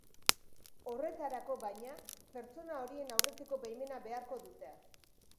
Horretarako, baina, pertsona horien aurretiko baimena beharko dute.